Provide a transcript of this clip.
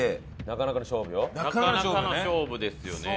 なかなかの勝負ですよね。